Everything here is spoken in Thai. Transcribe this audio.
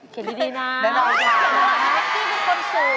เขียนดีนะแน่นอนค่ะนะครับนะครับ